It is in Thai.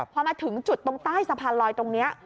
พอมาถึงจุดตรงใต้สะพานลอยตรงนี้